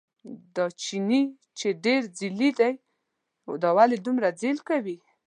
دا چیني ډېر ځېلی دی، دا ولې دومره ځېل کوي.